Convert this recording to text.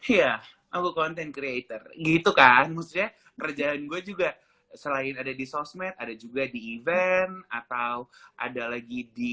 iya aku content creator gitu kan maksudnya kerjaan gue juga selain ada di sosmed ada juga di event atau ada lagi di